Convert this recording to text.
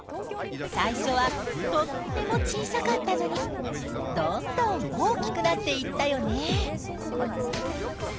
最初はとっても小さかったのにどんどん大きくなっていったよね！